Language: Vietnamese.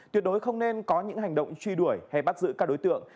tuyệt đối không nên có những hành động truy đuổi hay bắt giữ các đối tượng